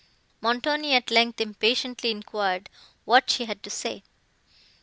Montoni at length impatiently enquired what she had to say?